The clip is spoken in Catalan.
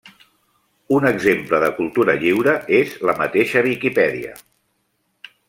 Un exemple de cultura lliure és la mateixa Viquipèdia.